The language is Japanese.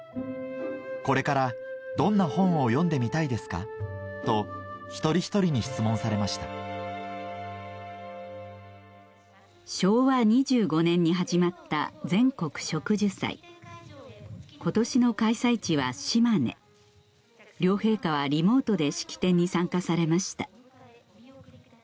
「これからどんな本を読んでみたいですか」と一人一人に質問されました昭和２５年に始まった全国植樹祭今年の開催地は島根両陛下はリモートで式典に参加されました